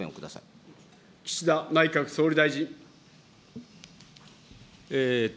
岸田内閣総理大臣。